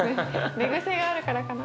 寝癖があるからかな？